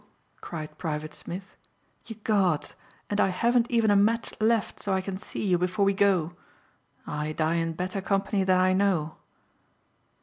cried Private Smith. "Ye Gods! And I haven't even a match left so I can see you before we go. I die in better company than I know."